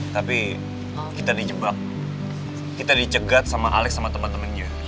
tapi kita dijebak kita dicegat sama alex sama teman temannya